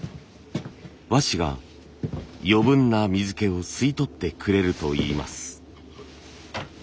和紙が余分な水けを吸い取ってくれるといいます。